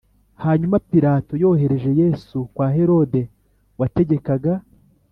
Hanyuma Pilato yohereje Yesu kwa Herode wategekaga